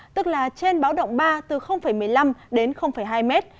tức là trên báo động ba từ một mươi năm đến hai mét